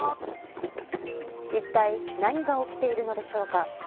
いったい何が起きているのでしょうか。